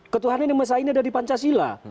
ketuhanan yang maha esa ini ada di pancasila